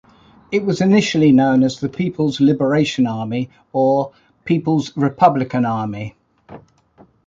It was initially known as the "People's Liberation Army" or "People's Republican Army".